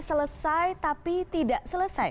selesai tapi tidak selesai